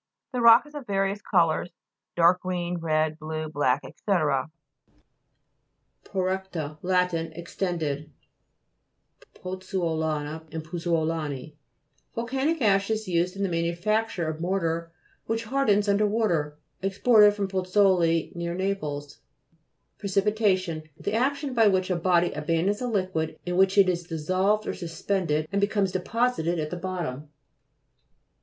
The rock is of various colours, dark green, red, blue, black, &c. PORRE'CTA Lat. Extended. PORTLAND O'OLITE (p. 64). POSIDO'NIA (p. 52). POZZUOLA'NA and POUZZUOLANI Volcanic ashes used in the manu facture of mortar which hardens under water: exported from Poz zuoli, near Naples. PRECIPITA'TION The action, by which a body abandons a liquid in which it is dissolved or suspended, and becomes deposited at the bot tom.